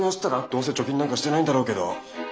どうせ貯金なんかしてないんだろうけど。